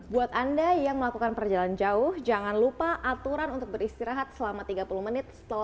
buat anda yang melakukan perjalanan jauh jangan lupa aturan untuk beristirahat selama tiga puluh menit setelah